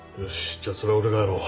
じゃそれは俺がやろう。